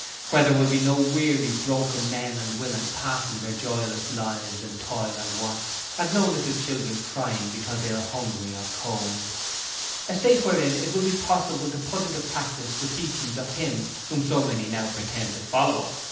Where there will be no weary, broken men and women passing their joyless lives in toil and want, and no little children crying because they are hungry or cold. 'A State wherein it will be possible to put into practice the teachings of Him whom so many now pretend to follow.